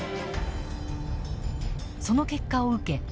その結果を受け